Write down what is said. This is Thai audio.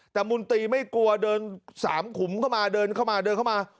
แต่มุนตรีไม่กลัวเดินสามขุมเข้ามาเดินเข้ามาเดินเข้ามา